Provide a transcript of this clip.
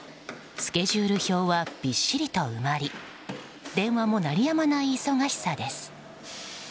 スケジュール表はびっしりと埋まり電話も鳴りやまない忙しさです。